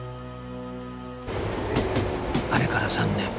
あれから３年